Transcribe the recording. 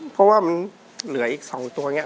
เพราะว่ามันเหลืออีก๒ตัวเนี่ย